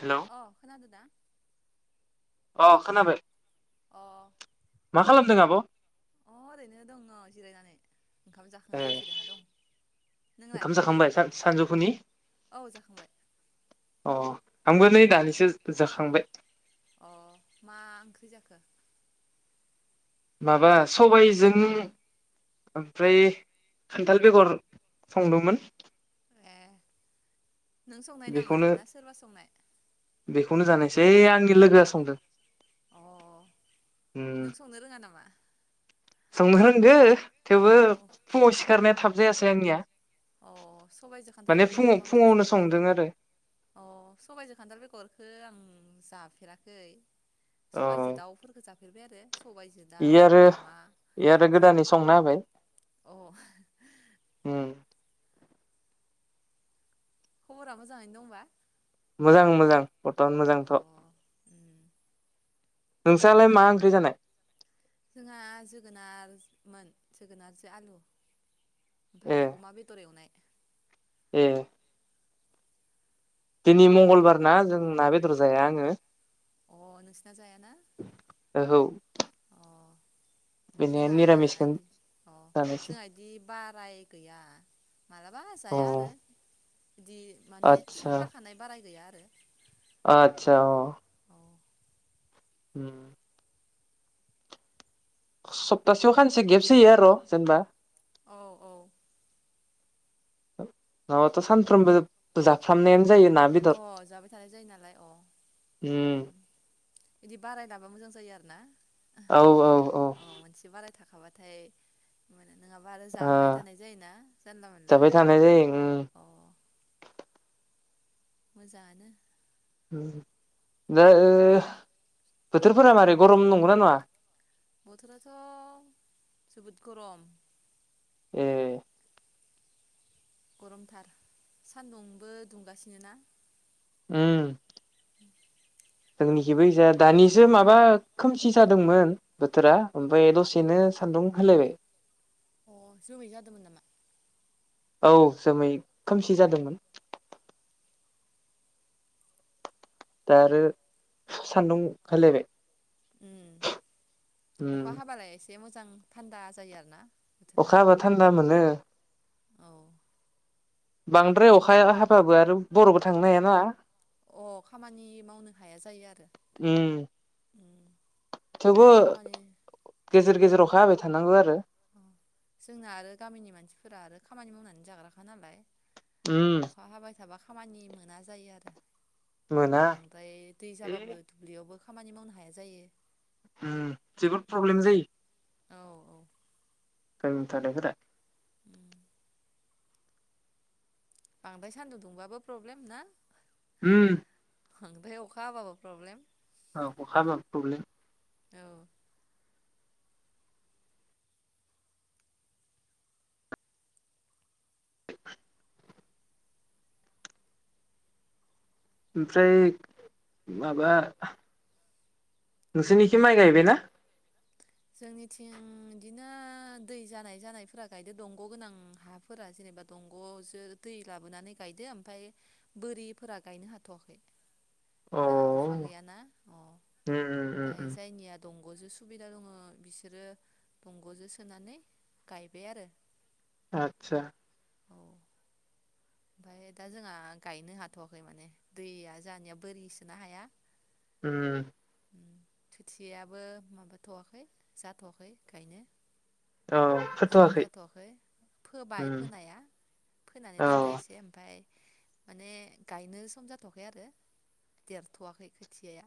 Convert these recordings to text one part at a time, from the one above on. Hello अ खोनादो ना? अ खोनाबाय। अ मा खालामदों आब' अ ओरैनो दङ जिरायनानै। ओंखाम ए जाखांनानै जिरायना दं नोंलाय ओंखाम जाखांबाय आगै? सानजौफुनि औ जाखांबाय अ आंबो नै दानिसो जाखांबाय। अ मा ओंख्रि जाखो? माबा सबायाइजों ओमफ्राय खान्थाल बेगर संदोंमोन। ए नों संनाय नामा बेखौनो ना सोरबा संनाय? बेखौनो जानायसै ओइ आंनि लोगोआ संदों। अ उम नों संनो रोङा नामा? संनो रोंगो थेवबो अ फुंआव सिखारनाय थाब जायासे आंनिया अ सबायजों खान्थाल माने बेगरखौ फुङाव माबायदि सं फुङावनो संदों आरो अ सबायजों खान्थाल बेगरखो आं जाफ फेराखै अ सबायजों दाउफोरखौ जा फेरबाय आरो सबायजों इ दाउ आरो अमा इ आरो गोदानै संना होबाय अ उम खबरा मोजाङैनो दंबा? मोजां मोजां बर्थमान अ मोजांथ' उम नोंस्रालाय मा ओंख्रि जानाय? जोंहा जोगोनारमोन जोगोनारजो आलु। ए ओमफ्राय अमा बेदर एवनाय। ए दिनै मंगलबार ना जों ना बेदर जाया आङो। अ नोंसिना जायाना। ओहौ अ बेनिया जोंहा निरामिसखौनो इदि अ जानोसै जोंहा बिदि बाराय गैया माबलाबा अ जाया आरो दि माने थि खाखानाय बाराय गैया आ आदसा अ औ ओम सप्तासेयाव खानसे गेब्स जायो आरो' जेनेबा औ औ। नङाब्लाथ सानफ्रोमबो जाफ्रामनायानो जायो ना बेदर अ जाबाय थानाय जायो नालाय अ। उम बिदि बाराय लाबा मोजां जायो आरो ना। औ औ औ। अ मोनसे बाराय थाखाबाथाय मोनो। नङाबा आरो जाबाय थानाय जायोना जानला मोनला जाबाय थानाय जायो उम अ। मोजाङानो। [inaudible] दा ओ ओ बोथोरफोरा मारै गरम नंगौना नङा? बोथोराथ जोबोद गरम। ए। गरमथार सान्दुंबो दुंगासिनो ना। उम। जोंनिखिबो जाया दानिसो माबा खोमसि जादोंमोन बोथोरा ओमफ्राय दसेनो सान्दुं होलायबाय। अ जोमै जादोंमोन नामा? औ जोमै खोमसि जादोंमोन। दा आरो सान्दुं ओंखार लायबाय। उम अखा हाबालाय एसे मोजां मोजां थान्दा जायो आरो ना। अखा हाबा थान्दा मोनो, [unintelligible] औ। बांद्राय अखाया हाबाबो आरो बरबो थांनो हायाना। अ खामानि मावनो हाया जायो आरो उम उम थेवबो खामानि गेजेर गेजेर अखा हाबाय थानांगौ आरो। अ जोंआ आरो गामिनि मानसिफोरा आरो खामानि मावनानै जाग्राखा नालाय। उम। अखा हाबाय थाबा खामानि मोना जायो आरो। मोना बांद्राय दै ए जाबाबो दुब्लियावबो खामानि मावनो हाया जायो। उम जोबोद उम प्रब्लेम जायो। औ औ थावनाय थानाय फोरा उम बांद्राय सान्दुं दुंबाबो प्रब्लेम ना? उम। बांद्राय अखा ब्लाबो प्रब्लेम औ अखा हाब्लाबो प्रब्लेम। औ ओमफ्राय माबा नोंसोरनिखि माइ गायबायना? जोंनिथिं बिदिनो दै जानाय जानायफोरा गायदो दंग गोनां हाफोरा जेनेबा दंग जो दै लाबोनानै गायदो ओमफफ्राय बोरिफोरा गायनो हाथवाखै। अ दा अखा उम गैयाना अ उम उम ओमफाय उम जायनिया दंग'जो सुबिदा दङ बिसोरो दंग'जों सोनानै गायबाय आरो आतसा ओमफाय दा जोंहा गायनो हाथ'वाखै माने दैया जोंआनिया बोरिसोनोना हाया ओम खोथि याबो माबाथ'वाखै जाथ'वाखै गायनो औ सम फोथ'वाखै जाथ'वाखै फोबाय उम फोनाया फोनानै औ दोनदो एसे ओमफ्राय माने गायनो सम जाथ'खै आरो देरथ'वाखै खोथियाया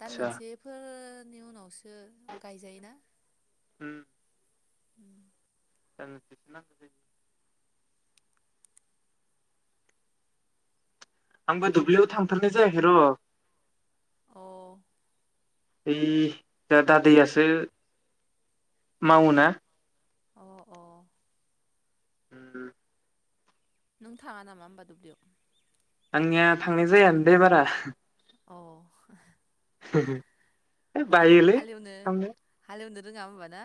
दान मोनसेफोर नि उनावसो गायजायोना होम [inaudible] [unintelligible] आंबो दुब्लियाव थांथारनाय जायाखै र' अ ओम दा दादैयासो मावोना अ औ ओम नों थाङाआ नामा होमबा दुबलियाव? आंनिया थांनाय जायानो दैे बारा अ [unintelligible] बायोलै थांनो रोंआ होमबा ना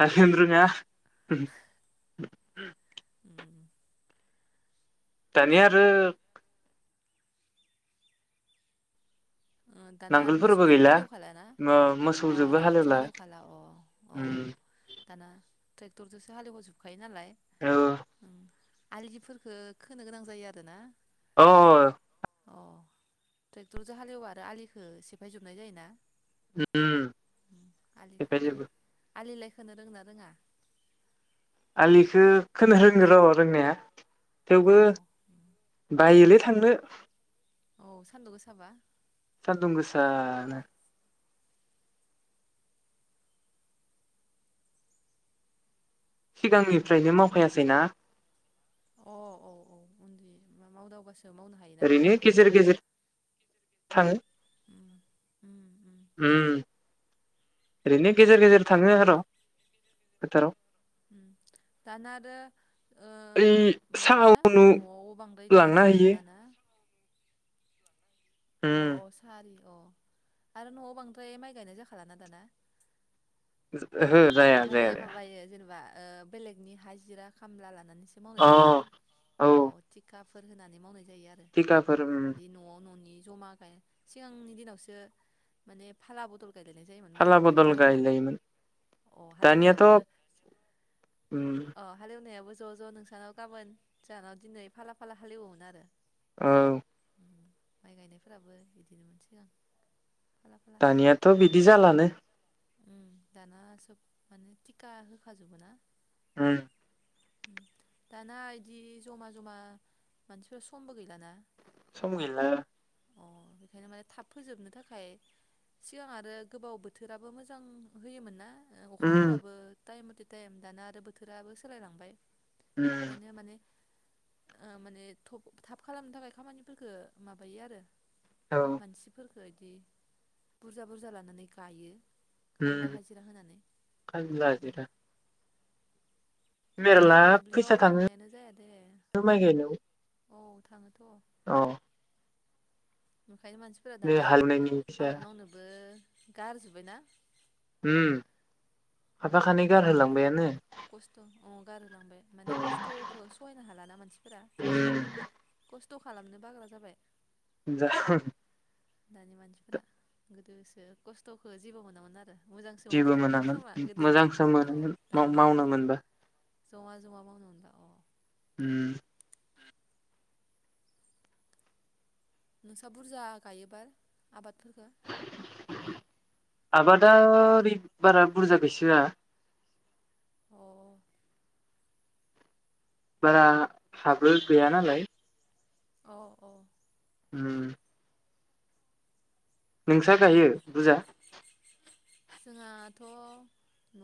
हाल एवनो रोङा उम दानिया आरो दाना आरो नांगोलफोरबो मोसौजोंबो गैला हालेवखालाना अ मोसौजोंबो नांगोलसो हालेवला हालेवखाला अ औ उम, दाना ट्रेक्टरजोंसो हालेजोबखायो नालाय औ आलिफोरखो खोनो गोनां जायो आरोना औ अ ट्रेक्टरजों हालेवा आरो आलिखो सेफायजोबनाय जायोना उम आलि खोनो [unintelligible] आलिलाय खोनो रोंङोना रोङा आलिखौ खोनो रोंङो र' रोंनाया अ थेवबो बायोलै थांनो औ सान्दुं गोसाबा दुं गोसानो सिगांनिफ्रायनो मावखायासैना अ औ औ उन्दै मा मावदावबासो मावनो हायोना ओरैनो खामानिखौबो गेजेर गेजेर थाङो ओम ओम उम ओरैनो गेजेर गेजेर थाङो आर' फोथाराव। दाना आरो ओ ओइ साहा माबाना उनु न'आव बांद्राय लांना गायनाय हैयो जाखालाना। अ' अ' उम सारि अ' आरो न'आव बांद्राय माइ गायनाय जाखालाना दाना। [unintelligible] ओहो जाया माने जाया जाया। माबायो जेनेबा ओ बेलेगनि हाजिरा खामला लानानै एसे मावनाय अ जायोना औ अ थिखा फु होनानै मावनाय जायो आरो टिकाफोर उम दि न'आव न'नि जमा गाय सिगांनि दिनावसो माने फाला बदल गायलायनाय जायोमोन फाला माइखौबो बदल ज'मा ज'मा गायलायोमोन दानियाथ' हालेवनायाबो उम जायाबो ज' ज' नोंसानाव गाबोन जोंहानाव दिनै फाला फाला हाेलिवोमोन आरो। औ माइ गायनायफोराबो एदिनोमोन सिगां फाला फाला दानियाथ' बिदि जालानो। दाना सोब माने थिखा होखाजोबो ना। उम दाना एदि जमा जमा मानसिफोर समबो गैलाना। सम गैला। अ बेखायनो माने थाब फोजोबनो थाखाय सिगां आरो गोबाव बोथोर दाबो मोजां होयोमोन ना। ओ उम अखाफोराबो टाइम मथे टाइम दाना आरो बोथोराबो सोलायलांबाय। उम ओंखायनो माने ओ माने थब थाब खालामनो थाखाय खामानिखो माबायो आरो। औ मानसिफोर बायदि बुरजा बुरजा लानानै गायो। खामला उम हाजिरा होनानै खामला उम हाजिरा मेरला आंबो दुब्लियाव फैसा थांनायानो जाया दे थाङो माइ गायनायाव औ थाङोथ' औ ओंखायनो मानसिफोरा दाना हालेवनायनि फैसा आबाद मावनोबो गारजुब बायना? ओम हाफा खानै उम गारहोलांबायानो [unintelligible] खस्थ' अ गार [unintelligible] माने खस्थखौ सहायनो हाला ना मानसिफोरा उम खस्थ खालामनो बाग्रा जाबाय ज [unintelligible] दानि मानसिफोरा गोदोसो खस्थखौ जेबो मोनामोन आरो मोजांसो जेबो मोनोमोन मोनामोन खोमा गोदो मोजांसो औ मोनोमोन दानिया मावनो मोनबा जमा जमा मावनो ना अ ओम नोंस्रा बुरजा गायोबा आबादफोरफोरखौ आबादा ओरै बारा बुरजा गायसोआ अ बारा साब्र गैया नालाय [unintelligible] औ औ उम। नोंसा गायो बुजा। जोंहाथ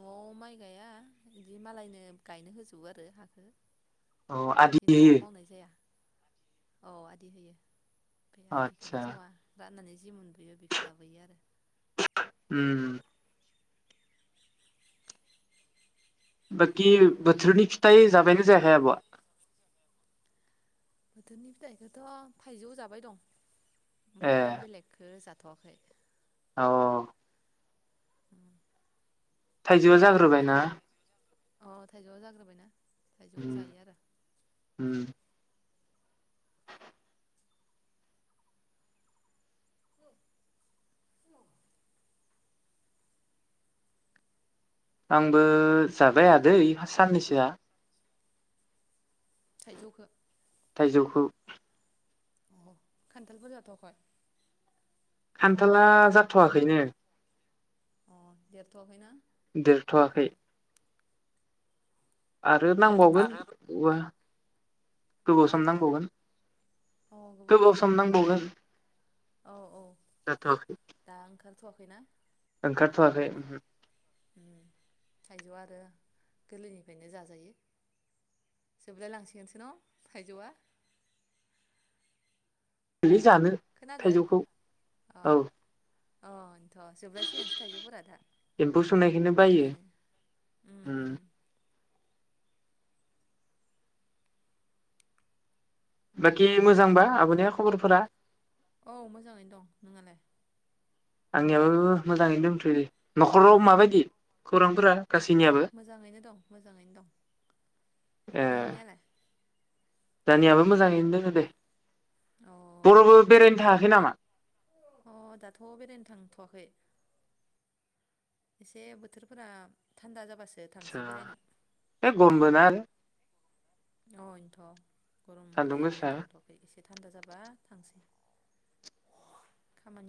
नआव माइ गाया बिदि मालायनो गायनो होजोबो आरो हाखो। अ आदि [inaudible] औ आदि होयो। बे आदसा आदिखोनो जमा राननानै। जि मोनबोयो बेखो लाबोयो आरो। उम बाखि बोथोरनि फिथाइ जाबायानो जायाखाय आब'आ। बोथोरनि फिथाइखोथ थाइजौ जाबाय दं। ए ओमफाय बेलेगखो जा [unintelligible] अ थाइजौआ दा जाग्रोबायना। आरो अ थाइजौआ जाग्रोबायना। थाइजौखौ जायो आरो [unintelligible] [inaudible] [inaudible] आंबो जाबाय आदै साननैसोआ। थाइजौखो। थाइजौखौ। अ खान्थालफोर जाथ'खय। खान्थाला जाथ'वाखैनो। अ देरथवाखैना। देरथवाखै। आरो नांबावगोन बवा। गोबाव हो सम नांबावगोन अ गोबाव नांगोनथ' सम र' नांबावगोन औ जाथवाखै। थ'वाखैना? ओंखारथ'वाखै‌ उमहो थाइजौआ आरो गोरलैनिफायनो जाजायो जोबलाय लांसिगोनसो न' थाइजौआ। [inaudible] जानो खोनादो थाइजौखौ अ औ अ। थ' जोबलायसैयानोसै थाइजौफोरा धा एम्फौ सुनायखौनो बायो मोननानै उम उम। बाखि मोजांबा आंनिया खबरफोरा? औ मोजाङैनो दं नोंङालाय? आंनियाबो मोजाङैनो दोंथ'यो न'खराव माबायदि? खौरांफोरा न'खराव गासैनियाबो मोजाङैनो दं मोजाङैनो दं नोंनियालाय? जानियाबो मोजाङैनो दोङो दे। अ बर'बो बेरायनो था हखै नामा? अ दाथ' बेरायनो थांथ'वाखै। एसे बोथोरफोरा थान्दा जाबासो थांसै सा बेरायनो ए गमबोना आरो अ इनथ'। सान्दुं गरमखाय गोसा बेरायनो थांथ'वाखै एसे थान्दा जाबा थांसै।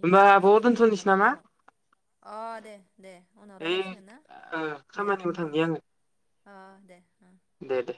होमबा आब' इसे जोबस्रांबा दोनथ'नोसै नामा न'फोराव अ दे दे उनाव ओइ रायलायसिगोन ना ओ दे। खामानियाव थांनि आङो अ दे ओ। दे दे।